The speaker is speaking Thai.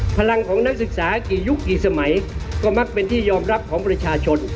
พลังของนักศึกษากี่ยุคกี่สมัยก็มักเป็นที่ยอมรับของประชาชน